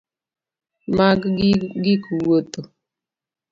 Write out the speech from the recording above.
Mag gik wuotho